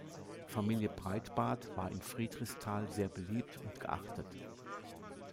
Familie Breitbart war in Friedrichsthal sehr beliebt und geachtet.